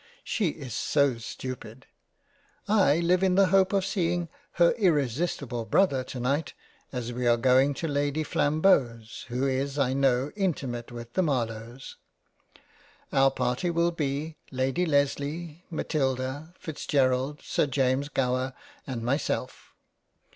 She is so stupid ! I live in the hope of seeing her irrisistable Brother to night, as we are going to Lady Flam beaus, who is I know intimate with the Marlowes. Our party will be Lady Lesley, Matilda, Fitzgerald, Sir James Gower, and myself.